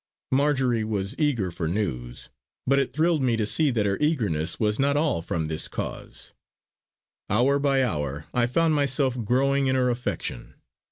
Marjory was eager for news, but it thrilled me to see that her eagerness was not all from this cause; hour by hour I found myself growing in her affection.